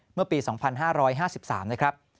เมื่อปี๒๕๕๓นะครับ